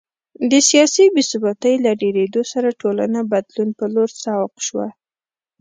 د سیاسي بې ثباتۍ له ډېرېدو سره ټولنه بدلون په لور سوق شوه